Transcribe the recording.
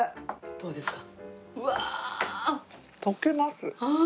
どうですか？